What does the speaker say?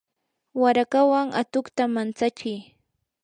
warakawan atuqta mantsachi.